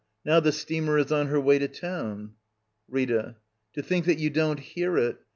Now the steamer is on her way to town. Rita. To think that you don't hear it!